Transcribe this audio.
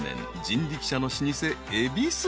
人力車の老舗］